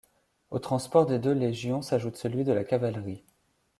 Au transport des deux légions s'ajoute celui de la cavalerie.